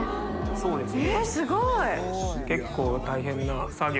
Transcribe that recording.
そうですね。